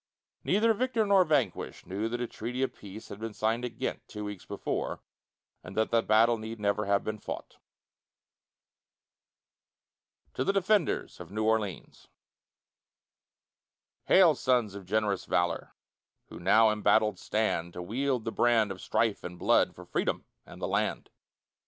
Neither victor nor vanquished knew that a treaty of peace had been signed at Ghent two weeks before, and that the battle need never have been fought. TO THE DEFENDERS OF NEW ORLEANS Hail sons of generous valor, Who now embattled stand, To wield the brand of strife and blood, For Freedom and the land.